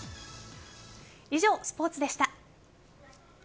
以上、スポーツでした。